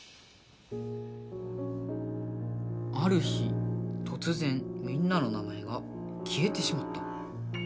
ある日とつぜんみんなの名前がきえてしまった。